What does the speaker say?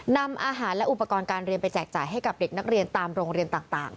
นำอาหารและอุปกรณ์การเรียนไปแจกจ่ายให้กับเด็กนักเรียนตามโรงเรียนต่าง